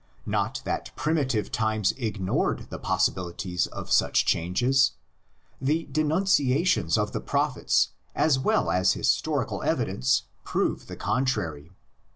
Not that primitive times ignored the possibilities of such changes; the denunciations of the prophets as well as historical evidence prove the contrary.